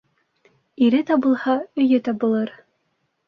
Ире табылһа, өйө табылыр.